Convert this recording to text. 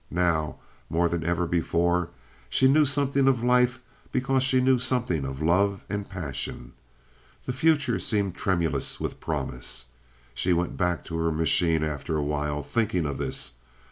Now, more than ever before, she knew something of life because she knew something of love and passion. The future seemed tremulous with promise. She went back to her machine after a while, thinking of this.